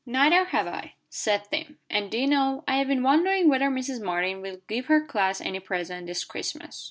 "Neither have I," said Tim. "And do you know, I have been wondering whether Mrs. Martin will give her class any presents this Christmas."